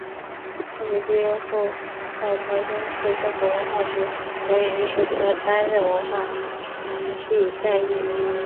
大学毕业后在台中市政府文化局表演艺术科担任文化替代役。